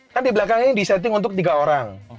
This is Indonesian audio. kan dibelakang ini di seting untuk tiga orang